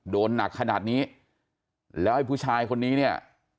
โดนหนักขนาดนี้แล้วไอ้ผู้ชายคนนี้เนี่ย